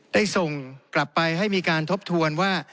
ได้ส่งกลับไปให้มีการทบทวนว่า